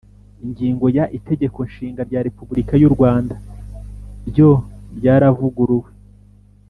Ingingo ya itegeko nshinga rya repubulika y u rwanda ryo ryavuguruwe